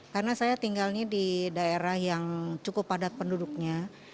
karena saya tinggalnya di daerah yang cukup padat penduduknya